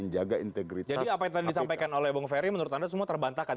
jadi apa yang tadi disampaikan oleh bung ferry menurut anda semua terbantahkan